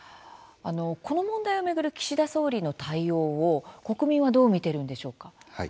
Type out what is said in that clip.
この問題を巡る岸田総理の対応を国民はどう見ているのでしょうか。